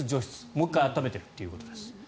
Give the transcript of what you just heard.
もう１回暖めてるということです。